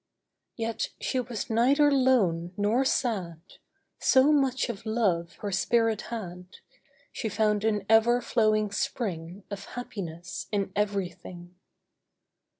Yet she was neither lone nor sad; So much of love her spirit had, She found an ever flowing spring Of happiness in everything.